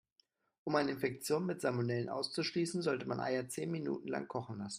Um eine Infektion mit Salmonellen auszuschließen, sollte man Eier zehn Minuten lang kochen lassen.